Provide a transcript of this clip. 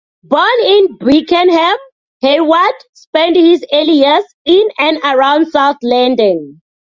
Born in Beckenham, Heyward spent his early years in and around south London.